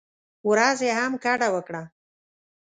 ورځې هم ګډه وکړه.